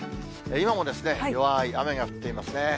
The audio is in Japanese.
今も弱い雨が降っていますね。